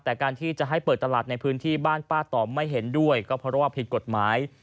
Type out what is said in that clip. แต่การที่จะให้เปิดตลาดในพื้นที่บ้านป้าต่อไม่เห็นด้วยก็เพราะว่าผิดกฎหมาย